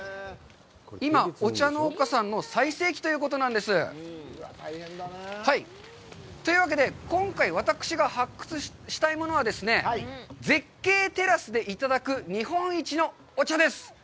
今、お茶農家さんの最盛期ということなんです。というわけで、今回、私が発掘したいものはですね、絶景テラスでいただく日本一のお茶です！